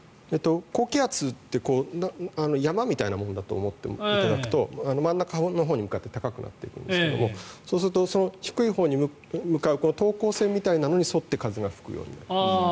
高気圧って山みたいなものだと思っていただくと真ん中のほうに向かって高くなっていくんですけどそうすると低いほうに向かう等高線みたいなものに沿って風が吹くようになります。